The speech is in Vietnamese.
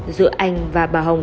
giữa anh và bà hồng